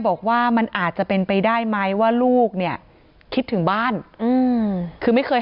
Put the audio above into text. บอกว่ามันอาจจะเป็นไปได้ไหมว่าลูกเนี่ยคิดถึงบ้านคือไม่เคย